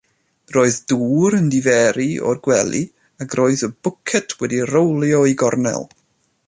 Roedd dŵr yn diferu o'r gwely, ac roedd y bwced wedi rowlio i gornel.